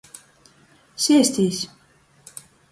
Sēstīs!